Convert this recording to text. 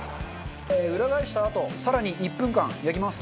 裏返したあと更に１分間焼きます。